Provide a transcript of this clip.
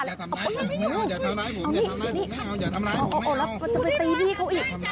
เฮ่นเกิดที่จะไปตีพี่เขาอีก